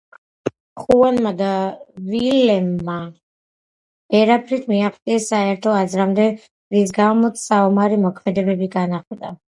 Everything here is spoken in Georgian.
ხუანმა და ვილემმა ვერაფრით მიაღწიეს საერთო აზრამდე, რის გამოც საომარი მოქმედებები განახლდა.